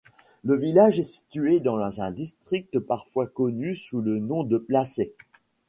Le village est situé dans un district parfois connu sous le nom de Plassey.